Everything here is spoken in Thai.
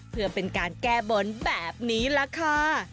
เพื่อเป็นการแก้บนแบบนี้ล่ะค่ะ